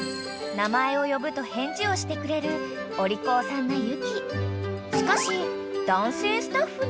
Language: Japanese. ［名前を呼ぶと返事をしてくれるお利口さんな雪］